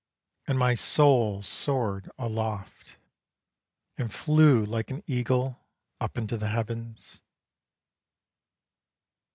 And my soul soared aloft, And flew like an eagle up into the heavens.